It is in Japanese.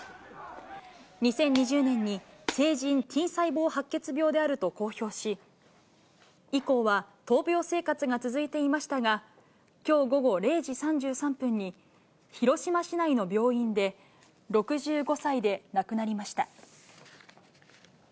２０２０年に成人Ｔ細胞白血病であると公表し、以降は闘病生活が続いていましたが、きょう午後０時３３分に、広島市内の病院で、６５歳で亡くなりました。